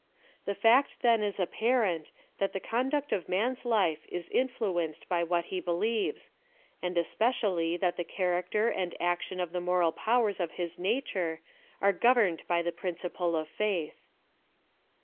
The fact then is apparent, that the conduct of man's life is influenced by what he believes ; and especially that the character and action of the moral powers of his nature are govern ed by the principle of faith.